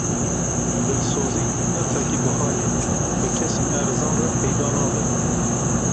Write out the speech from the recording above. Dilsozî nirxekî biha ye, bi kesên erzan re peyda nabe.